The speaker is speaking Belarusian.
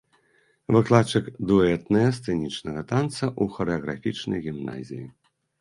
Выкладчык дуэтныя-сцэнічнага танца ў харэаграфічнай гімназіі.